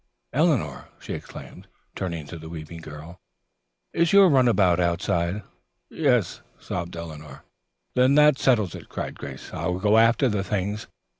Eleanor," she exclaimed, turning to the weeping girl, "is your runabout outside?" "Yes," sobbed Eleanor. "Then that settles it," cried Grace. "I will go after the things.